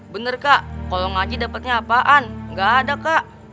bener kak kalau ngaji dapatnya apaan nggak ada kak